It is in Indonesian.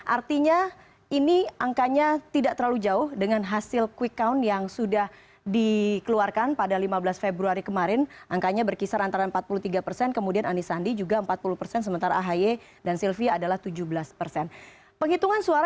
artinya ini angkanya tidak terlalu jauh dengan harga data yang sudah masuk